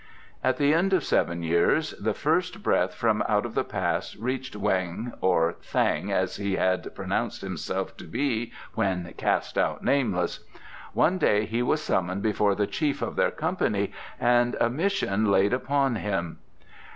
At the end of seven years the first breath from out of the past reached Weng (or Thang, as he had announced himself to be when cast out nameless). One day he was summoned before the chief of their company and a mission laid upon him.